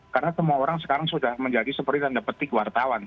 karena semua orang sekarang sudah menjadi seperti tanda petik wartawan